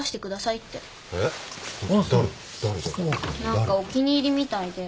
何かお気に入りみたいで。